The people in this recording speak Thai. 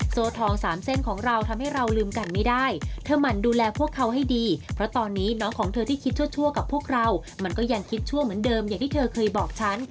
โซทองสามเส้นของเราทำให้เราลืมกันไม่ได้เธอหมั่นดูแลพวกเขาให้ดีเพราะตอนนี้น้องของเธอที่คิดชั่วกับพวกเรามันก็ยังคิดชั่วเหมือนเดิมอย่างที่เธอเคยบอกฉัน